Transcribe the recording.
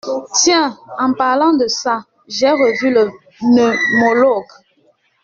Tiens, en parlant de ça, j’ai revu le pneumologue.